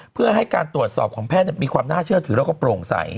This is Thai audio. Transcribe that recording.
เพื่อให้การตรวจสอบของแพทย์มีความน่าเชื่อถือแล้วก็โปร่งใส